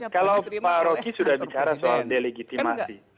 kalau pak rocky sudah bicara soal delegitimasi